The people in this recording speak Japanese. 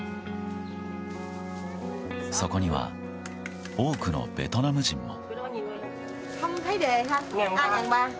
そこには多くのベトナム人も。